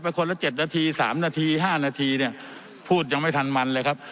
เพราะคนละเจ็ดนาทีสามนาทีห้านาทีเนี่ยพูดยังไม่ทันมันเลยครับ